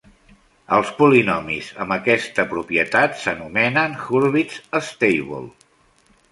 Els polinomis amb esta propietat s"anomenen Hurwitz-stable.